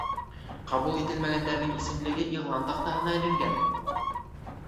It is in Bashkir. Ҡабул ителгәндәрҙең исемлеге иғлан таҡтаһына эленгән